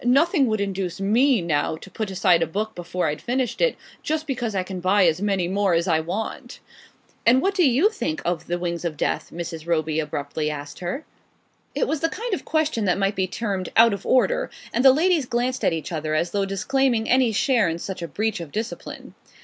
Nothing would induce me, now, to put aside a book before I'd finished it, just because I can buy as many more as I want." "And what do you think of 'The Wings of Death'?" Mrs. Roby abruptly asked her. It was the kind of question that might be termed out of order, and the ladies glanced at each other as though disclaiming any share in such a breach of discipline.